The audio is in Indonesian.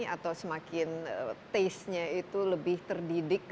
atau semakin rasanya lebih terdidik